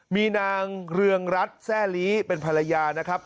มีนางเรืองรัฐแซ่ลีเป็นภรรยานะครับ